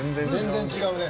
全然違うね。